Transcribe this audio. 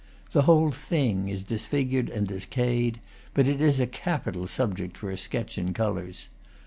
The whole thing is disfigured and decayed; but it is a capital subject for a sketch in colors.